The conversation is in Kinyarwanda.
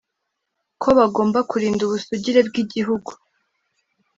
ko bagomba kurinda ubusugire bw'igihugu.